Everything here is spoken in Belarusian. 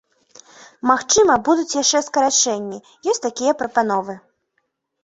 Магчыма, будуць яшчэ скарачэнні, ёсць такія прапановы.